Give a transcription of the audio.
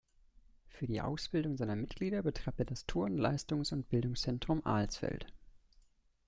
Für die Ausbildung seiner Mitglieder betreibt er das Turn-, Leistungs- und Bildungszentrum Alsfeld.